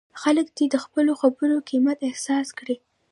خلک دې د خپلو خبرو قیمت احساس کړي.